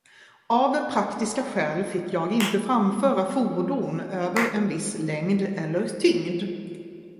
Av praktiska skäl fick jag inte framföra fordon över en viss längd eller tyngd.